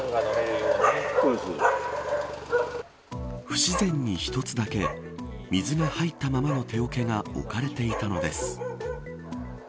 不自然に１つだけ水が入ったままの手おけが置かれていたのです。